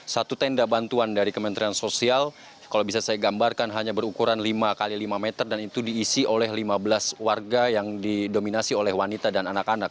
satu tenda bantuan dari kementerian sosial kalau bisa saya gambarkan hanya berukuran lima x lima meter dan itu diisi oleh lima belas warga yang didominasi oleh wanita dan anak anak